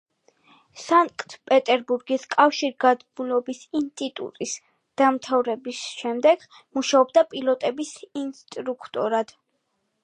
სანქტ-პეტერბურგის კავშირგაბმულობის ინსტიტუტის დამთავრების შემდეგ მუშაობდა პილოტების ინსტრუქტორად.